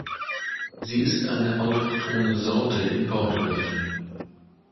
Sie ist eine autochthone Sorte in Portugal.